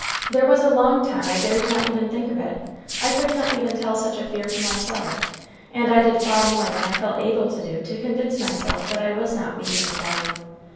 There was a long time I dared not even think of it; I could not even tell such a fear to myself; and I did far more than I felt able to do to convince myself that I was not weak and failing.